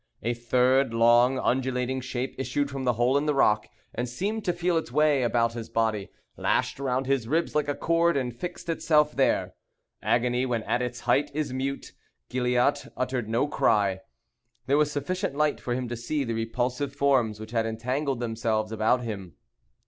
A third long undulating shape issued from the hole in the rock; and seemed to feel its way about his body; lashed round his ribs like a cord, and fixed itself there. Agony when at its height is mute. Gilliatt uttered no cry. There was sufficient light for him to see the repulsive forms which had entangled themselves about him.